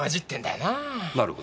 なるほど。